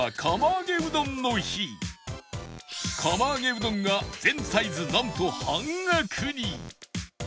釜揚げうどんが全サイズなんと半額に！